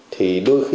thì đôi khi